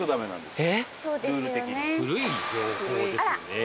古い情報ですね。